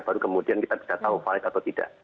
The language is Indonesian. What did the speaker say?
baru kemudian kita bisa tahu valid atau tidak